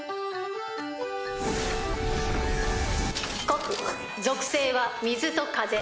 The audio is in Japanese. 告属性は水と風。